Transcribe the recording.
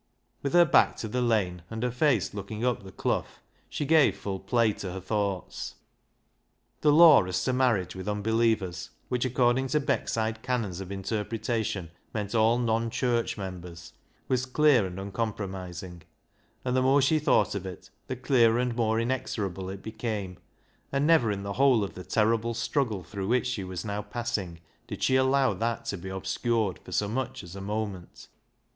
With her back to the lane, and her face look ing up the Clough, she gave full play to her thoughts. The law as to marriage with unbelievers, which, according to Beckside canons of inter pretation, meant all non church members, was clear and uncompromising, and the more she thought of it the clearer and more inexorable it became, and never in the whole of the terrible struggle through which she was now passing did she allow that to be obscured for so much as a moment.